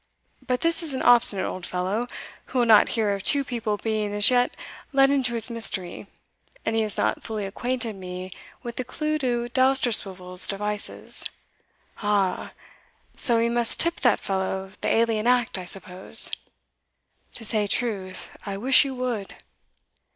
But this is an obstinate old fellow, who will not hear of two people being as yet let into his mystery, and he has not fully acquainted me with the clew to Dousterswivel's devices." "Aha! so we must tip that fellow the alien act, I suppose?" "To say truth, I wish you would."